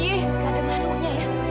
gak ada malunya ya